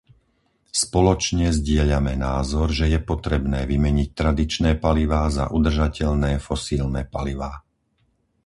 Spoločne zdieľame názor, že je potrebné vymeniť tradičné palivá za udržateľné fosílne palivá.